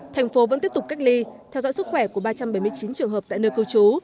thành phố vẫn tiếp tục cách ly theo dõi sức khỏe của ba trăm bảy mươi chín trường hợp tại nơi cư trú